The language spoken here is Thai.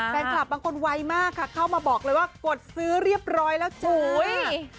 แฟนคลับบางคนไวมากค่ะเข้ามาบอกเลยว่ากดซื้อเรียบร้อยแล้วจุ้ย